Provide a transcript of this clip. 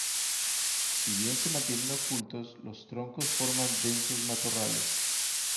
Si bien se mantienen ocultos, los troncos forman densos matorrales.